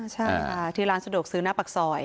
ใช่ค่ะที่ร้านสะดวกซื้อหน้าปากซอย